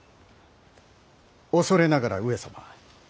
恐れながら上様。